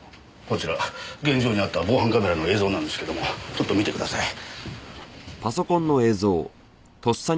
こちら現場にあった防犯カメラの映像なんですけどもちょっと見てください。